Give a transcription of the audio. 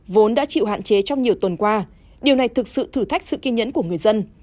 vốn đã chịu hạn chế trong nhiều tuần qua điều này thực sự thử thách sự kiên nhẫn của người dân